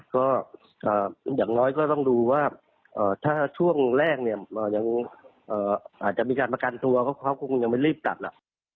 ก็อย่างน้อยก็ต้องดูว่าถ้าช่วงแรกเนี่ยยังอาจจะมีการประกันตัวเขาก็คงยังไม่รีบตัดล่ะ